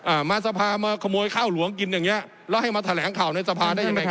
อ่ามาสภามาขโมยข้าวหลวงกินอย่างเงี้ยแล้วให้มาแถลงข่าวในสภาได้ยังไงครับ